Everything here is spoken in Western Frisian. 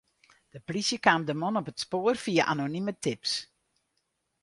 De plysje kaam de man op it spoar fia anonime tips.